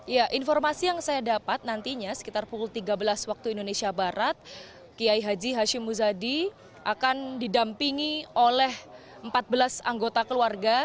ya informasi yang saya dapat nantinya sekitar pukul tiga belas waktu indonesia barat kiai haji hashim muzadi akan didampingi oleh empat belas anggota keluarga